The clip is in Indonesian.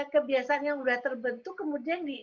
kebiasaan yang sudah terbentuk kemudian